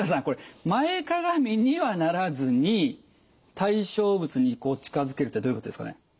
これ前かがみにはならずに対象物に近づけるってどういうことですかね？